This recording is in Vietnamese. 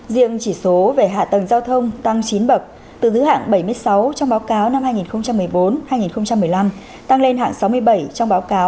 riêng chỉ số về hạ tầng giao thông tăng chín bậc từ giữa hạng bảy mươi sáu trong báo cáo năm hai nghìn một mươi bốn hai nghìn một mươi năm tăng lên hạng sáu mươi bảy trong báo cáo hai nghìn một mươi năm hai nghìn một mươi sáu